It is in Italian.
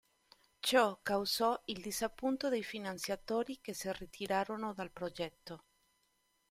Ciò causò il disappunto dei finanziatori che si ritirarono dal progetto.